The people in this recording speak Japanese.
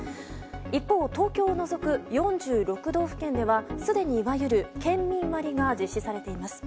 一方、東京を除く４６道府県ではすでに、いわゆる県民割が実施されています。